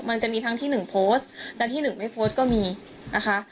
มันจะมีทั้งที่หนึ่งโพสต์และที่หนึ่งไม่โพสต์ก็มีนะคะ